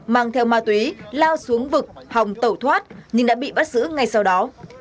mang theo ma túy lao xuống vực hòng tẩu thoát nhưng đã bị bắt giữ ngay sau đó